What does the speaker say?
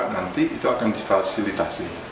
nanti itu akan difasilitasi